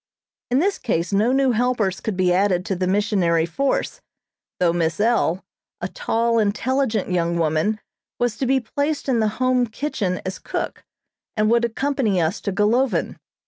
In this case, no new helpers could be added to the missionary force, though Miss L., a tall, intelligent young woman, was to be placed in the Home kitchen as cook, and would accompany us to Golovin.